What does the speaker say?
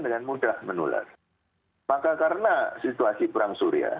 dengan mudah menular maka karena situasi perang surya